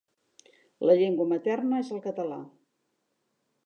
La llengua materna és el català.